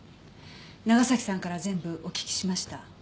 長崎さんから全部お聞きしました。